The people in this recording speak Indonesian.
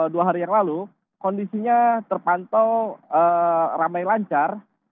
dua hari yang lalu kondisinya terpantau ramai lancar